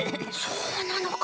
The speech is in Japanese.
そうなのか！